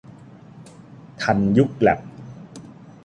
ทันยุคแลบ